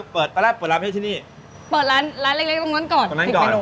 เปิดร้านเล็กตรงนั้นก่อน